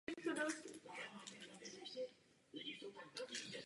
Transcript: Organizuje festivaly a jiné kulturní a politické akce.